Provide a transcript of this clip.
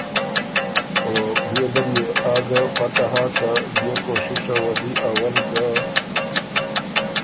او بيې دل يې آ ګه پته هۀ که دیو کوشِشه وه دی اول ګۀ